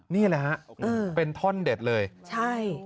นี่แหละฮะเป็นท่อนเด็ดเลยใช่